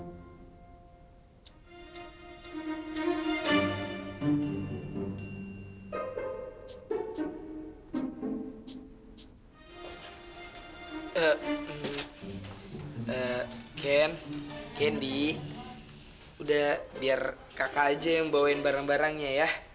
eh eh ken candy udah biar kakak aja yang bawain barang barangnya ya